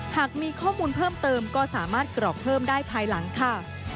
หากมีข้อมูลเพิ่มเติมก็สามารถกรอกเพิ่มได้ภายหลังค่ะ